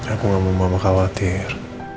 aku gak mau mama khawatir